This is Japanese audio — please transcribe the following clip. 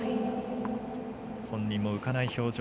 本人も浮かない表情。